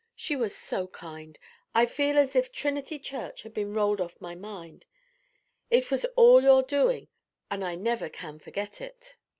She was so kind! I feel as if Trinity Church had been rolled off my mind. It was all your doing, and I never can forget it."